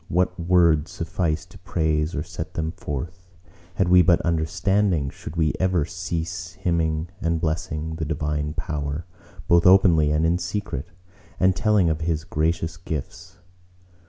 What words suffice to praise or set them forth? Had we but understanding, should we ever cease hymning and blessing the Divine Power, both openly and in secret, and telling of His gracious gifts?